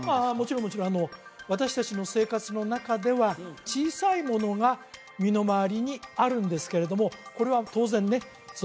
ああもちろんもちろん私達の生活の中では小さいものが身の回りにあるんですけれどもこれは当然ね